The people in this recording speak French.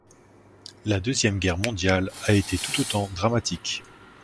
La Deuxième Guerre mondiale a été tout autant dramatique.